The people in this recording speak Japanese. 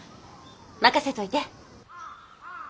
任せといて。